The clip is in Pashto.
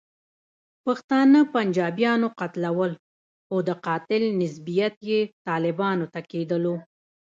پښتانه پنجابیانو قتلول، خو د قاتل نسبیت یې طالبانو ته کېدلو.